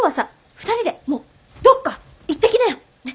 ２人でもうどっか行ってきなよ！ね。